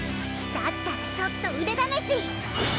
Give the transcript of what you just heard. だったらちょっと腕試し！